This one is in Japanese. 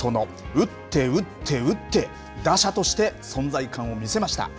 打って打って打って、打者として存在感を見せました。